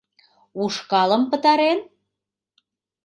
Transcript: Ушкалым пытарен?